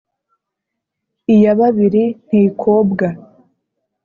iya babiri ntikobwa